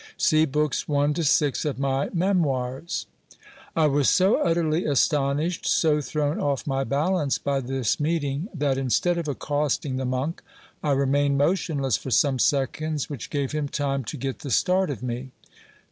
{See Books I. to VI. of my Memoirs.) I was so utterly astonished, so thrown off my balance by this meeting, that instead of accosting the monk, I remained motionless for some seconds, which gave him time to get the start of me.